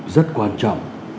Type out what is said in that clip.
rất quan trọng